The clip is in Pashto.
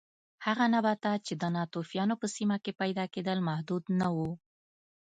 هغه نباتات چې د ناتوفیانو په سیمه کې پیدا کېدل محدود نه و